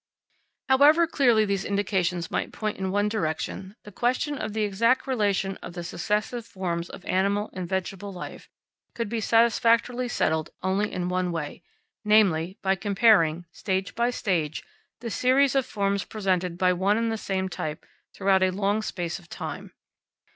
However clearly these indications might point in one direction, the question of the exact relation of the successive forms of animal and vegetable life could be satisfactorily settled only in one way; namely, by comparing, stage by stage, the series of forms presented by one and the same type throughout a long space of time.